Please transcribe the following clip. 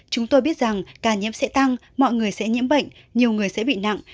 chúng tôi biết rằng ca nhiễm sẽ tăng mọi người sẽ nhiễm bệnh nhiều người sẽ bị nặng